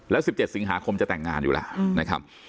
แล้ว๑๗สิงหาคมจะแต่งงานอยู่ล่ะ